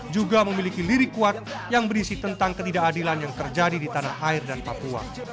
juga memiliki lirik kuat yang berisi tentang ketidakadilan yang terjadi di tanah air dan papua